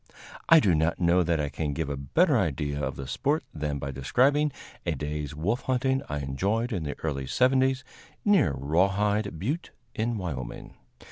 I do not know that I can give a better idea of the sport than by describing a day's wolf hunting I enjoyed in the early seventies near Raw Hide Butte, in Wyoming.